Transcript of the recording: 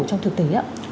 trong thực tế